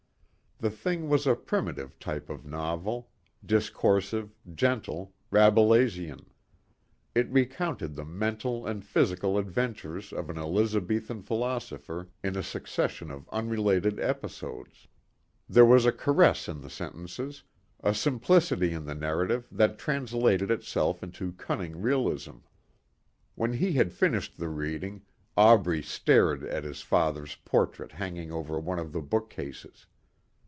The thing was a primitive type of novel discoursive, gentle, Rabelaisian. It recounted the mental and physical adventures of an Elizabethan philosopher in a succession of unrelated episodes. There was a caress in the sentences, a simplicity in the narrative that translated itself into cunning realism. When he had finished the reading, Aubrey stared at his father's portrait hanging over one of the book cases.